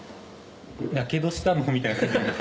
「やけどしたの？」みたいな感じで。